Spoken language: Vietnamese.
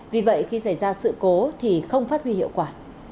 vì vậy khi xảy ra sự cố thì không phát huy hiệu quả